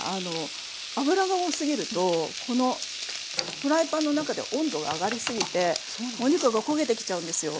脂が多すぎるとこのフライパンの中で温度が上がり過ぎてお肉が焦げてきちゃうんですよ。